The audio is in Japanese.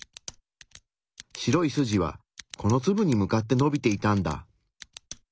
白い筋はこのツブに向かってのびていたんだ。